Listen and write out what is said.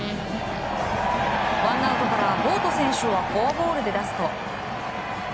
ワンアウトからボート選手をフォアボールで出すと。